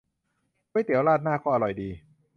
ก๋วยเตี๋ยวราดหน้าก็อร่อยดี